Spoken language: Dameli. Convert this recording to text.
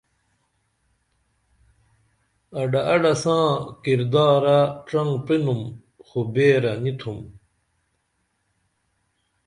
اڈہ اڈہ ساں کردارہ ڇنگ پرینُم خو بیرہ نی تُھم